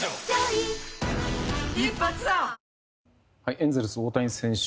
エンゼルス、大谷選手